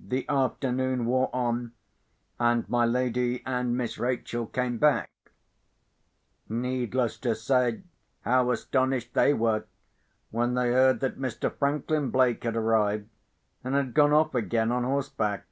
The afternoon wore on, and my lady and Miss Rachel came back. Needless to say how astonished they were, when they heard that Mr. Franklin Blake had arrived, and had gone off again on horseback.